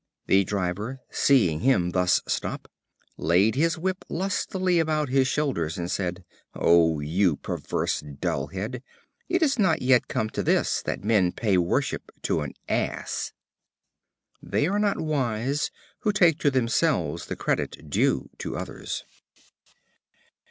The driver, seeing him thus stop, laid his whip lustily about his shoulders and said: "O you perverse dull head! it is not yet come to this, that men pay worship to an Ass." They are not wise who take to themselves the credit due to others.